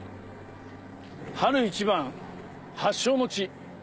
「『春一番』発祥の地」。